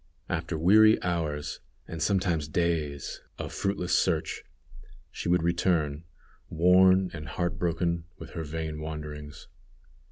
After weary hours, and sometimes days, of fruitless search, she would return, worn and heart broken with her vain wanderings.